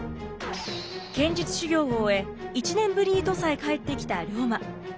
剣術修行を終え１年ぶりに土佐へ帰ってきた龍馬。